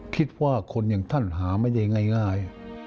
คิดว่าคนอย่างท่านหาไม่ได้ง่าย